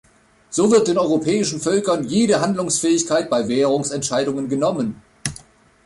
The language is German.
So wird den europäischen Völkern jede Handlungsfähigkeit bei Währungsentscheidungen genommen.